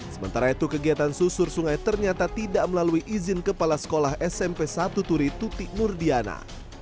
sementara itu kegiatan susur sungai ternyata tidak melalui izin kepala sekolah smp satu turi tutik murdiana